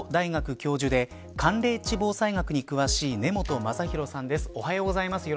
教授で寒冷地防災学に詳しい根本昌宏さんです。